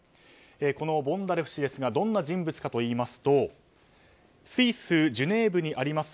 このボンダレフ氏ですがどんな人物かといいますとスイス・ジュネーブにあります